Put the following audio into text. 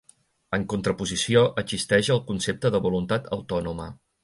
En contraposició existeix el concepte de voluntat autònoma.